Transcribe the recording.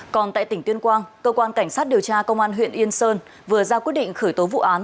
còn tại tỉnh tuyên quang cơ quan cảnh sát điều tra công an huyện yên sơn vừa ra quyết định khởi tố vụ án